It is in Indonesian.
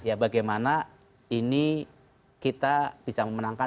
ya bagaimana ini kita bisa memenangkan dua ribu lima belas